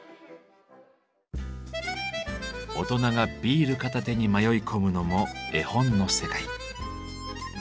大人がビール片手に迷い込むのも絵本の世界。